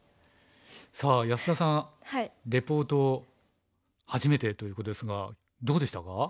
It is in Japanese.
さあ安田さんレポート初めてということですがどうでしたか？